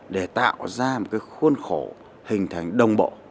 để tạo ra một cái khuôn khổ hình thành đồng bộ